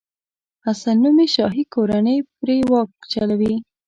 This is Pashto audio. حسن نومي شاهي کورنۍ پرې واک چلوي.